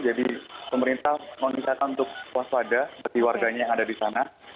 jadi pemerintah mengisahkan untuk waspada berarti warganya yang ada di sana